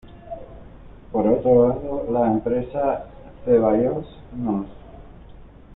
Por otro lado, la empresa Zeballos Hnos.